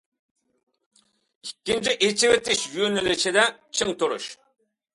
ئىككىنچى، ئېچىۋېتىش يۆنىلىشىدە چىڭ تۇرۇش.